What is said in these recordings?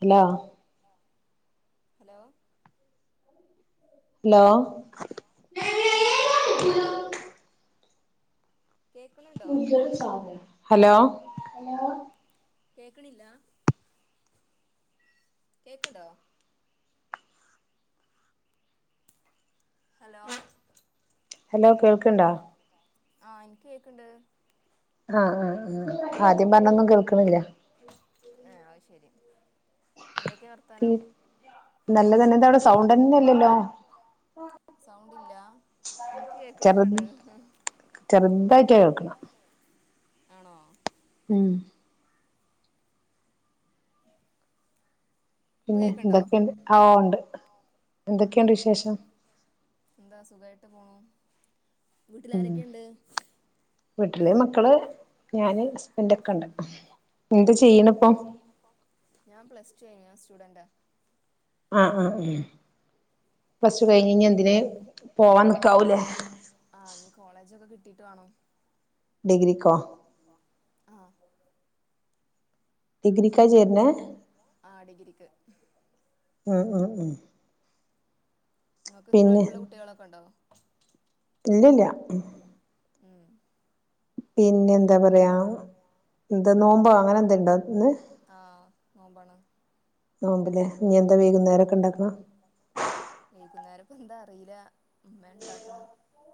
Hello hello hello കേക്കണില്ലേ hello [inaudible] കേക്കണില്ല കേക്കണ്ടോ ഹലോ ഹലോ കേൾക്കണ്ടാ ആഹ എനിക്ക് കേക്കണ്ട് ആഹ് ആഹ ആ ആദ്യം പറഞ്ഞൊന്നും കേൾക്കണില്ല തീ നല്ലതന്നെ എന്ത അവിടെ സൗണ്ട് തന്നെല്ലല്ലോ സൗണ്ടില്ല എനിക്ക് കേക്കണൊക്കെ ഇണ്ട് ചെറുതായിട്ടാ കേക്കണം ആണോ ഉം പിന്നെ എന്തൊക്കെയുണ്ട് ആ ഉണ്ട് എന്തൊക്കെയുണ്ട് വിശേഷം എന്താ സുഖായിട്ട് പോണ വീട്ടിലാരൊക്കെയുണ്ട് വീട്ടിലെ മക്കള് ഞാന് ഹസ്ബൻഡക്കെ ഉണ്ട് എന്താ ചെയ്യണപ്പൊ ഏ ഞാൻ സ്റ്റുഡന്റ് ആഹ് ആഹ് ഉം പ്ലസ്ടൂ കഴിഞ്ഞ് ഇനി എന്തിനേം പോവാ നിക്കാവൂലേ കിട്ടീട്ട് വെണം ഡിഗ്രിക്കോ ആഹ് ഡിഗ്രി ആ ഡിഗ്രിക്ക് ഉം ഉം ഉം നിങ്ങക്ക് ഇത്ര വല്പ്മുള്ള കുട്ടികളൊക്ക്ണ്ടോ ഇല്ലില്ല പിന്നെ എന്താപറയാ എന്താ നോമ്പോ അങ്ങനെന്തേണ്ടാ ഇന്ന് നോമ്പാണ് നോമ്പ് ല്ലേ ഇനിയെന്താ വൈകുന്നേരൊക്കെ ഇണ്ടാക്ക്ണ് ഇപ്പ എന്താ അറിയില്ല ഉമ്മയാണ്ടാക്ക്ണ്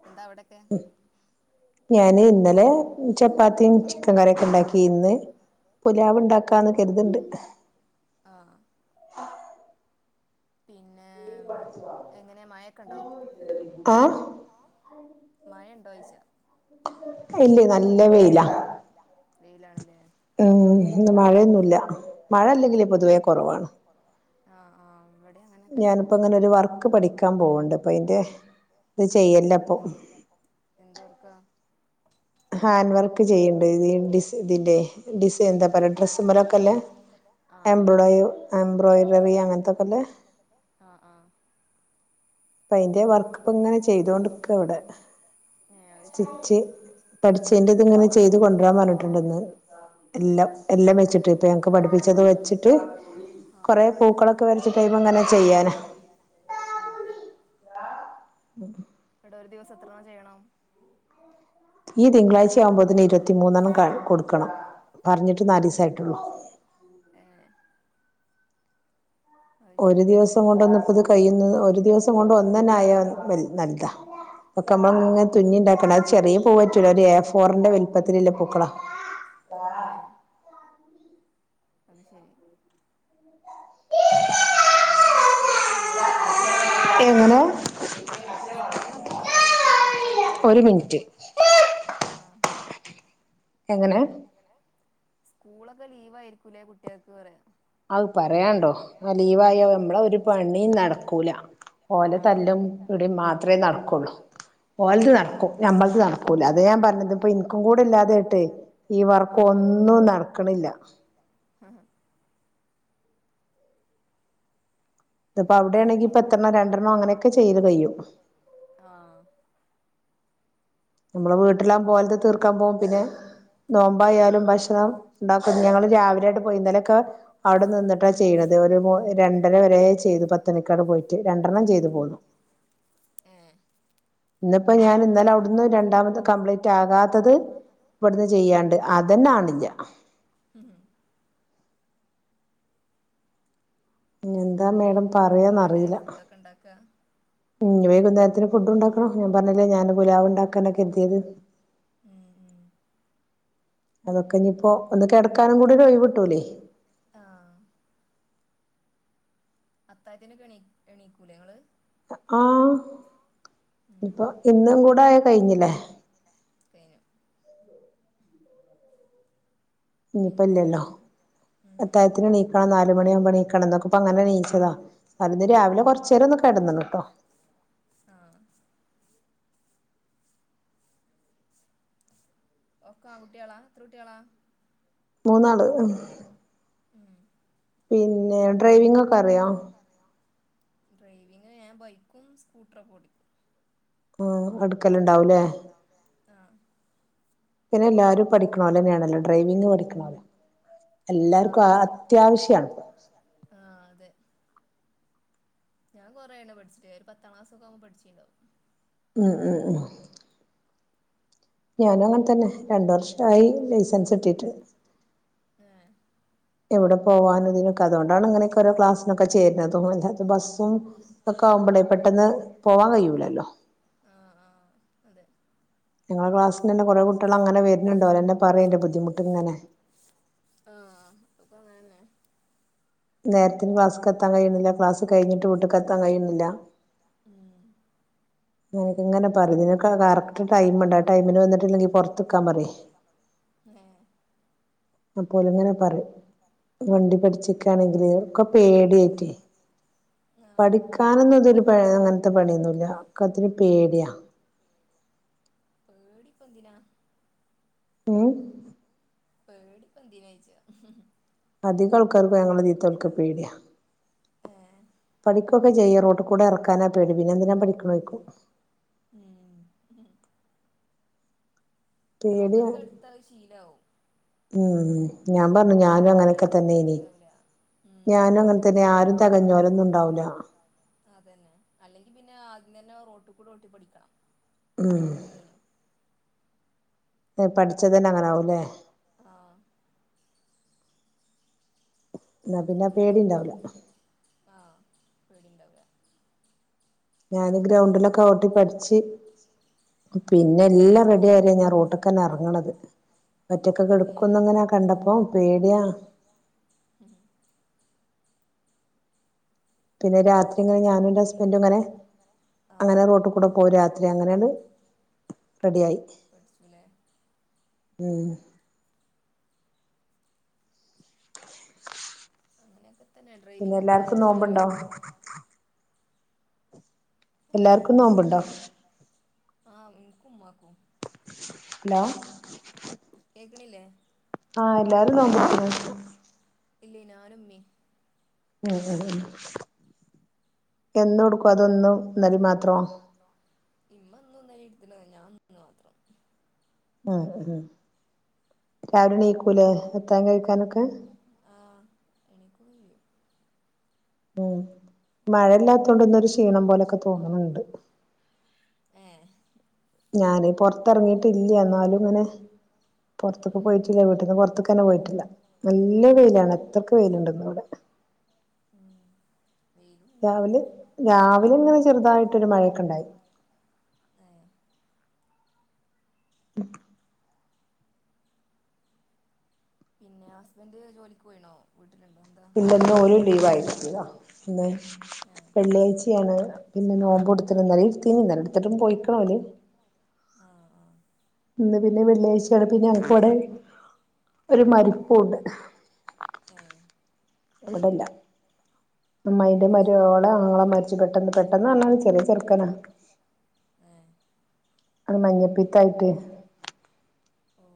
എന്താ അവിടൊക്കെ ഞാന് ഇന്നലെ ചപ്പാത്തിയും ചിക്കൻ കറിയൊക്ക്ണ്ടാക്കി ഇന്ന് പുലാവ്ണ്ടാക്കാന്ന് കര്ത്ണ്ട് പിന്നെ ആ മഴയ്ണ്ടോയിച്ചാ ഇല്ലേ നല്ല വെയിലാ വെയിലാണ്ലേ ഉം മഴയൊന്നുല്ല മഴ അല്ലെങ്കില് പൊതുവേ കൊറവാണ് ഞാനിപ്പോ ഇങ്ങനൊരു വർക്ക് പഠിക്കാൻ പോവ്ണ്ട് അപ്പയിന്റെ എന്ത്‌ എന്ത്‌വർക്കാ ഹാൻഡ് വർക്ക് ചെയ്യ്ണ്ട് ഇ ഡിസ് ഇതിന്റെ ഡിസൈ എന്താപറയാ ഡ്രസ്സ്മ്മെലൊക്കെല്ലേ എംബ്രോ എംബ്രോയിഡറി അങ്ങനത്തൊക്കെല്ലേ ആ ആ അപ്പയിന്റെ വർക്ക്പ്പങ്ങനെ ചെയ്തോണ്ട്ക്കാ ഇവ്ടെ സ്റ്റിച്ച് പഠിച്ചതിന്റെത്ങ്ങനെ ചെയ്ത് കൊണ്ടരാൻ പറഞ്ഞ്ട്ട്ണ്ട്ന്ന് എല്ലാം എല്ലാം വെച്ചിട്ട് ഇപ്പൊഞങ്ങക്ക് പഠിപ്പിച്ചത് വെച്ചിട്ട് കൊറേ പൂക്കളൊക്കെ വരച്ച്ട്ടയ്മ്മങ്ങനെ ചെയ്യാനാ ഉം ഒരു ദിവസം എത്രെണ്ണം ചെയ്യണം ഈ തിങ്കളാഴ്ചയാവുമ്പോത്തിന് ഇരുപത്തിമൂന്നെണ്ണം കാ കൊടുക്കണം പറഞ്ഞിട്ട് നാലീസായിട്ടൊള്ളൂ ഒരു ദിവസം കൊണ്ടൊന്നിപ്പത് കഴിയുന്ന് ഒരു ദിവസം കൊണ്ടൊന്നെന്നായാ വൽ വൽതാ ഒക്കെ നമ്മളിങ്ങനെ തുന്നിയിണ്ടാക്കണം അത് ചെറിയ പൂ പറ്റൂല ഒരു എ ഫോറിന്റെ വല്പ്പത്തിലില്ല പൂക്കളാ [inaudible] അത്ശെരി പിന്നെ ഇന്ന് സ്കൂളൊക്കെ ലീവായിരിക്കുംല്ലേ കു എങ്ങനെ സ്കൂളൊക്കെ ലീവായിരിക്കൂല്ലേ കുട്ടികൾക്ക് അറിയാ ആഹ് എങ്ങനെ സ്കൂളൊക്കെ ലീവായിരിക്കൂല്ലേ കുട്ട്യക്ക് അറിയ അത് പറയാൻണ്ടോ ആ ലീവായാ നമ്മളെ ഒരു പണിം നടക്കൂല ഓലെ തല്ലും ഇടിം മാത്രേ നടക്കൊള്ളു ഓൽത് നടക്കും ഞമ്മൾത് നടക്കൂല അതാ ഞാൻ പറഞ്ഞത് ഇപ്പെൻക്കും കൂടിയില്ലാതായിട്ടേ ഈ വർക്കൊ ഒന്നും നടക്ക്ണില്ല അഹ പിന്നെ പത്തെണ്ണോ രണ്ടെണ്ണോ അങ്ങനെയൊക്കെ ചെയ്ത് കയ്യും ആ നമ്മള് വീട്ടിലാവുമ്പോ ഒൽത് തീർക്കാൻ പോവും പിന്നെ നോമ്പായാലും ഭക്ഷണം ഇണ്ടാക്കും ഞങ്ങൾ രാവിലെ ആയിട്ട് പോയി ഇന്നലെക്കെ അവിടെ നിന്നിട്ടാ ചെയ്യ്ണ ത് ഒര് രണ്ടര വരെ ചെയ്തു പത്തണിക്കാട് പോയിട്ട് രണ്ടെണ്ണം ചെയ്തു പോന്നു അപ്പൊ ഞാൻ ഇന്നലെ അവിടുന്ന് രണ്ടാമത് കംപ്ലീറ്റ് ആകാത്തത് ഇവിടുന്ന് ചെയ്യാണ്ട് അതെന്നെ ആണ്ല്ല ഇനിയെന്താ മേഡം പറയാന്നറിയില്ല ഉ വൈകുന്നേരത്തിന് ഫുഡ് ഉണ്ടാക്കണോ ഞാൻ പറഞ്ഞില്ലേ ഞാൻ പുലവ് ഉണ്ടാക്കാന കരുതിയത് അതൊക്കെ ഇനിയിപ്പോ ഒന്ന് കെടക്കാനും കൂടി ഒഴിവ് കിട്ടുലെ അത്തായതിനൊക്കെ എണി എണിക്കുലെ ഇങ്ങള് ആ ഇപ്പൊ ഇന്നും കൂടെ ആയ കഴിഞ്ഞില്ലേ ഇനിപ്പല്ലല്ലോ അത്തായത്തിന് നീക്കണം നാലുമനിയായ നീക്കണം എന്നക്ക ഇപ്പ അങ്ങനെ നീയിച്ചതാ അതിന്ന് രാവിലെ കൊറാചേരാം കടന്നണ് ട്ടോ ആ ഒക്കാ ആൺകുട്ടിയാള എത്ര കുട്ടിയളാ മൂന്നാള് ഉ പിന്നെ ഡ്രൈവിങ് ഒക്കെ അറിയോ ഡ്രൈവിംഗ് ഞാൻ ബൈക്കും സ്കൂട്ടറൊക്കെ ഓടിക്കും ആ അടുക്കല ഉണ്ടാവലേ ആ പിന്നെ എല്ലാരും പഠിക്കണോലെന്നെ ണല്ലോ ഡ്രൈവിങ് പഠിക്കണോല് എല്ലാർക്കും അത്യാവശ്യ ഞാൻ കൊറേ ആയിന്ന് പഠിച്ചിട്ട പത്താം ക്ലാസ്സ ഒക്കെ ആവുമ്പോ പഠിച്ചിട്ടുണ്ടാവും ഉ ഉ ഉ ഞാനും അങ്ങനെ തന്നെ രണ്ടു വർഷയി ലൈസൻസ് കിട്ടിട്ട് ഇവിടെ പോവാനും ഇതിനൊക്കെ അതൊണ്ടാണ് അങ്ങനൊക്ക ഓരോ ക്ലാസ്സ് ഒക്കെ ചേരുന്നതും എല്ലാ ബസ്സും ഒക്കെ ആവുമ്പോളേ പെട്ടെന്ന് പോവാൻ കഴിയൂലല്ലോ ഞങ്ങളെ ക്ലാസ്സിനെന്നെ കൊറേ കുട്ടിആൾ അങ്ങനെ വെർനിണ്ട് ഒരന്നെ പറയിട് ബുദ്ധിമുട്ട് ഇങ്ങനെ ആഹ അധ അങനെനെ നേരത്തിന് ക്ലാസ് കത്താൻ കഴിയണില്ല ക്ലാസ് കഴിഞ്ഞിട്ട് വീട്ട കത്താൻ കഴിയണില്ല [unintelligible] പറന് കറക്റ്റ് ടൈമുണ്ട് ടൈമിന് വന്നിട്ടില്ലെങ്കി പുറത്തക്കാൻ പറ അപ്പോല എങ്ങനെ പറയും വണ്ടി പഠിച്ചക്കയാണെങ്കില് ഒക്കെ പേടിയായിറ്റി പഠിക്കാനൊന്നുംതൊരു പ അങ്ങനത്തെ പണിയൊന്നുംല്ല ഒക്ക അത്തിന് പേടിയാ പേടിപ്പൊ എന്തിനതിനാ ഉം പേടിപ്പന്തിനയച്ച അധികം ആൾക്കാർക്ക് ഞങ്ങതീത്തൽക്ക പേടിയ പഠിക്കൊക്കെ ചെയ്യ റോട്ട് കൂടെ ഇറക്കാനാ പേടി പിനെന്തിനാ പഠിക്കണോയ്ക്ക പേടി ഉം ഞാൻ പറഞ്ഞു ഞാനും അങ്ങനൊക്കെ തന്നെ എയ്നി ഞാന അങ്ങനെ തന്നെ ആരും തകഞ്ഞോലൊന്നും ണ്ടാവൂല അതന്നെ അല്ലെങ്കി പിന്നെ ആദ്യം തന്നെറോട്ട കൂടി ഓട്ടി പഠിക്കണം ഞാൻ അങ്ങനെയനും ഏ പഠിച്ചതന്നെ അങ്ങനെ ആവുല്ലേ അങ്ങനൊവുമ്പന്ന ആ പേടിണ്ടാവൂല ഞാന് ഗ്രൗണ്ടിലൊക്കെ ഓട്ടി പഠിച്ചു പിന്നെ എല്ലാം റെഡി ആയിര ഞാൻ റോട്ടക്കന്നെ എറങ്ങണത് ഒറ്റക്കെ കെടുക്കുംന്ന്ങ്ങനെ കണ്ടപ്പോ പേടിയാ [inaudible] പിന്നെ രാത്രി ഇങ്ങനെ ഞാനും ന്റെ ഹസ്ബൻഡും ഇങ്ങനെ അങ്ങനെ റോട്ടു കൂടെ പോയി രാത്രി അങ്ങനെയട് റെഡിയായി ഉം [unintelligible] അങ്ങനെയൊക്കെ പിന്നെ എല്ലാർക്കും നോമ്പിണ്ടോ എല്ലാർക്കും നോമ്പുണ്ടോ ആഹ് ഇൻകുംമ്മാക്കും ഹലോ കേക്കണില്ലേ ആഹ്.. എല്ലാരും നോമ്പടത്തിന് ഇല്ലേ നാനുമ്മീം ഉം.. ഉം. എന്നുടെക്കോ പതൊന്നും ന്നലേം മാത്രോ ഇല്ല.. ഞാൻന്ന് മാത്രം ആഹ് ഉം രാവിലെ ണീക്കൂലേ അത്താഴം കഴിക്കാനൊക്കെ ഉം മഴയില്ലാത്തൊണ്ട് ഇന്നൊരു ക്ഷീണം പോലൊക്കെ തോന്നണണ്ട് ഏഹ്.. ഞാന് പൊറത്തിറങ്ങീട്ടില്യ എന്നാലും ഇങ്ങനെ... പൊറത്തേക്ക് പോയിട്ടില്ല വീട്ടന്ന് പൊറത്തക്ക് തന്നെ പോയിട്ടില്ല.. നല്ല വെയിലാണ് അത്രക്ക് വെയിലുണ്ടന്നിവിടെ രാവിലെ രാവിലെ ഇങ്ങനെ ചെറുതായിട്ടൊരു മഴക്കെ ഇണ്ടായി ഉം പിന്നെ ഹസ്ബൻഡ് ജോലിക്ക് പോയിണോ ഇന്നെന്തോ ഓരോ ലീവ് ആയിരിക്കാ.. ഇന്ന് വെള്ളിയാഴ്ചയാണ് പിന്നെ നോമ്പും എട്ത്തിന്.. ഇന്നലെ എട്തിന്.. ഇന്നലെ എടുത്തിട്ടും പോയിക്ക്ണ് ഓല്.. ഇന്ന് പിന്നെ വെള്ളിയാഴ്ചയാണ്.. പിന്നെ ഞങ്ങക്കിടെ ഒരു മരിപ്പൂണ്ട് അവിടെല്ല അമ്മായിന്റെ മര്യോളെ ആങ്ങള മരിച്ചു.. പെട്ടെന്ന്.. പെട്ടെന്ന് പറഞ്ഞ ചെറിയ ചെർക്കനാ [inaudible] അത് മഞ്ഞപ്പീത്തായിട്ട് ഓ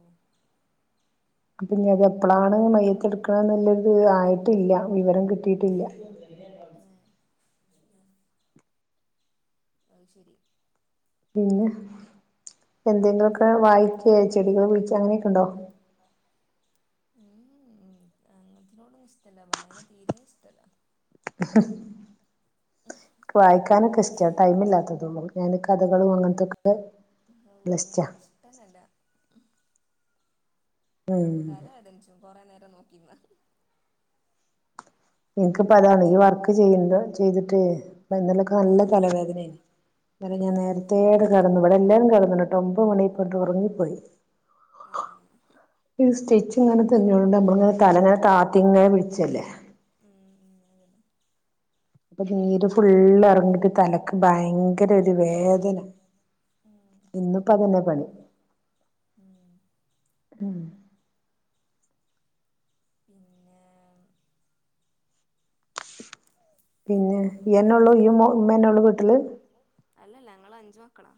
പിന്നെ അത എപ്പളാണ് മയ്യത്തെ എടുക്കണന്നല്ലത് ആയിട്ടില്ല.. വിവരം കിട്ടിയിട്ടില്ല [inaudible] അത് ശരി പിന്നെ എന്തെങ്കിലും ക്ക വായിക്ക ചെടികൾ വീഴിച്ച അങ്ങനെയൊക്കെ ഉണ്ടോ ഉം അങ്ങനത്തിനോടൊന്നും ഇഷ്ടമല്ല വായന തീരെ ഇഷ്ടല്ല [unintelligible] എനിക്ക് വായിക്കാനൊക്കെ ഇഷ്ട ടൈമില്ലാത്തതള്ളൂ.. ഞാൻ കഥകളും അങ്ങനത്തൊക്കെ ലീഷ്ടാ തല വേദനിച്ചും കൊറെ നേരം നോക്കിന്നാ എനക്ക്പ്പ അതാണ് ഈ വർക്ക് ചെയ്യണ്ടോ ചെയ്തിട്ടേ ഇപ്പൊ ഇന്നലൊക്കെ നല്ല തലവേദനയാണ്...... ഇന്നലെ ഞാൻ നേരത്തെ കെടന്നു.. ഇവിടെ എല്ലരും കെടന്ന്ണ്ട്ട്ടോ ഒമ്പത് മണി പോട്ട് ഉറങ്ങിപ്പോയി....... [unintelligible] ഇതിങ്ങനെ നിന്നോണ്ട് നമ്മള ഇങ്ങനെ തലങ്ങെനെ താത്തി ഇങ്ങനെ പിടിച്ചല്ലേ.. അപ്പൊ നീര് ഫുള്ള് ഇറങ്ങിട്ട് തലക്ക് ഭയങ്കര ഒരു വേദന........ ഇന്നിപ്പതന്നേ പണി.. ഉം... ഉം.. പിന്നെ നീയേന്നെള്ളു ഇയ്യുമ്മന്നുള്ളു വീട്ടില്...... അല്ലല്ല ഞങ്ങ അഞ്ചു മക്കളാ.....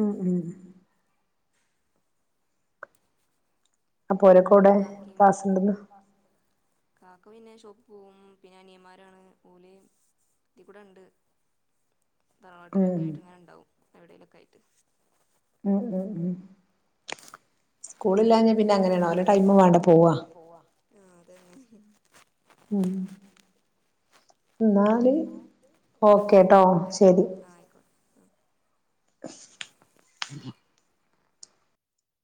ഉം ഉം...... അപ്പൊ ഒരക്ക കൂടെ ക്ലാസ് ഉണ്ടന്ന്..... കാക്ക പിന്നെ ഷോപ്പ് പോകും പിന്നെ അനിയന്മാരാണ് ഓല..... കൂടെ ഉണ്ട്.... തറവാട്ടിൽട്ടിലൊക്കെ ആയിട്ട് ഇങ്ങനെ ഉണ്ടാവും എവിടയിലൊക്കെ ആയിട്ട്..... ഉ ഉ ഉ സ്കൂളില്ലഞ്ഞാ പി....... അങ്ങനെയാണോലോ ടൈമ് വേണ്ട പോവാ....... ഉം...... [unintelligible] [inaudible]